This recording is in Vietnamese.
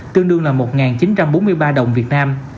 tương đương là một chín trăm bốn mươi ba đồng việt nam